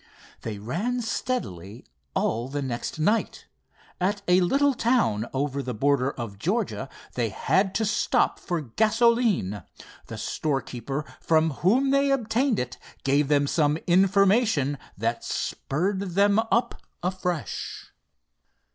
They ran steadily all the next night. At a little town over the border of Georgia they had to stop for gasoline. The storekeeper from whom they obtained it gave them some information that spurred them up afresh.